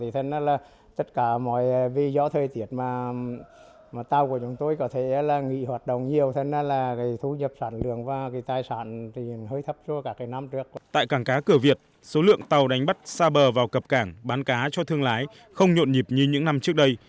tại cảng cá cửa việt số lượng tàu đánh bắt xa bờ vào cập cảng bán cá cho thương lái không nhộn nhịp như những năm trước đây